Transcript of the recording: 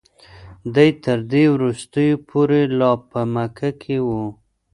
دی تر دې وروستیو پورې لا په مکه کې و.